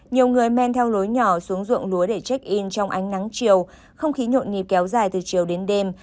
nhiều người men theo lối nhỏ xuống ruộng lúa để check in trong ánh nắng chiều không khí nhộn nhịp kéo dài từ chiều đến đêm